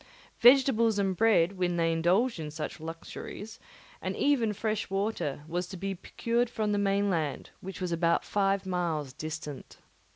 Vegetables and bread, when they indulged in such luxuries, and even fresh water, was to be procured from the mainland, which was about five miles distant.